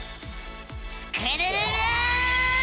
スクるるる！